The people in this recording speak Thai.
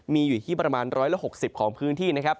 มีอยู่ที่ประมาณ๑๖๐ของพื้นที่นะครับ